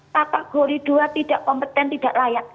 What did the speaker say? papa gori ii tidak kompeten tidak layaknya